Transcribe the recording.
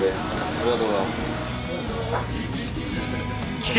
ありがとうございます。